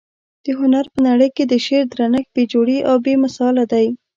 د هنر په نړۍ کي د شعر درنښت بې جوړې او بې مثاله دى.